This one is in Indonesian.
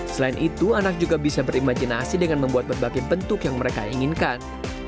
selain itu anak juga bisa berimajinasi dengan membuat berbagai bentuk yang mereka inginkan